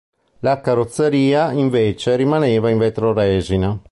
La carrozzeria, invece, rimaneva in vetroresina.